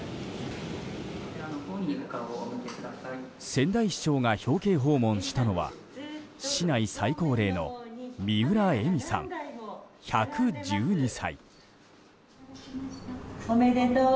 仙台市長が表敬訪問したのは市内最高齢の三浦ヱミさん１１２歳。